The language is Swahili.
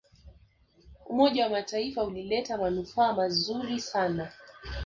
umoja wa mataifa ulileta manufaa mazuri sana